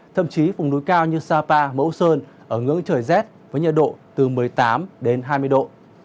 thậm chí vùng núi cao như sapa mẫu sơn ở ngưỡng trời rét với nhiệt độ từ một mươi tám đến hai mươi độ